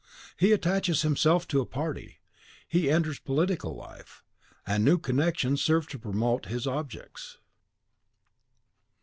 He attaches himself to a party; he enters political life; and new connections serve to promote his objects.